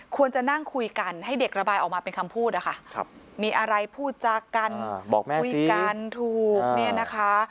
ควรจะนั่งคุยกันให้เด็กระบายออกมาเป็นคำพูดนะคะมีอะไรพูดจากันบอกแม่คุยกันถูกเนี่ยนะคะ